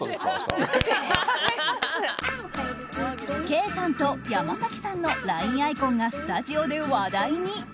ケイさんと山崎さんのＬＩＮＥアイコンがスタジオで話題に。